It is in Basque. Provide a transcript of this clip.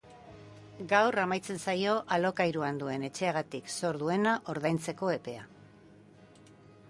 Gaur amaitzen zaio alokairuan duen etxeagatik zor duena ordaintzeko epea.